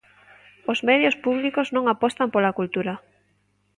Os medios públicos non apostan pola cultura.